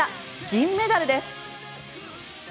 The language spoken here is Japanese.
銀メダルです！